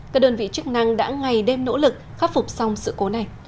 các đơn vị chức năng đã ngay đem nỗ lực khắc phục xong sự cố này